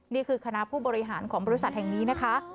นี่คือคณะผู้บริหารของบริษัทแห่งนี้นะคะ